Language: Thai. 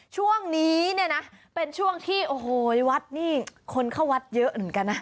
ช่วงนี้เนี่ยนะเป็นช่วงที่โอ้โหวัดนี่คนเข้าวัดเยอะเหมือนกันนะ